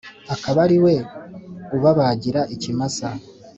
akaba ari we ubabagira ikimasa